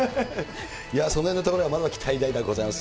そのへんのところがまだ期待大でございます。